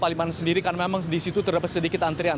palimanan sendiri kan memang di situ terdapat sedikit antrian